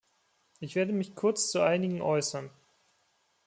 Ich werde mich kurz zu einigen äußern.